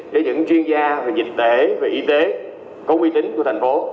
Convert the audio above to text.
để những chuyên gia về dịch tễ về y tế có quy tính của tp hcm